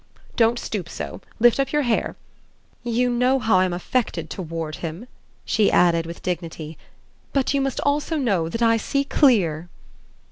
Don't stoop so lift up your hair. You know how I'm affected toward him," she added with dignity; "but you must also know that I see clear."